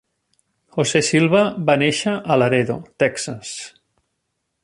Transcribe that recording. José Silva va néixer a Laredo, Texas.